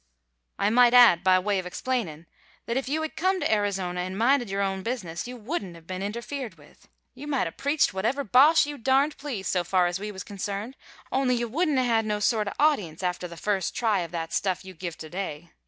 "I might add, by way of explainin', that if you had come to Arizona an' minded your own business you wouldn't have been interfered with. You mighta preached whatever bosh you darned pleased so far as we was concerned, only you wouldn't have had no sorta audience after the first try of that stuff you give to day.